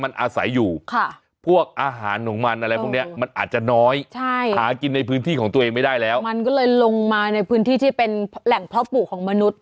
ไม่ได้แล้วมันก็เลยลงมาในพื้นที่ที่เป็นแหล่งเพราะปลูกของมนุษย์